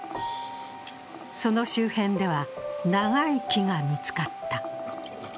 その周辺では、長い木が見つかった。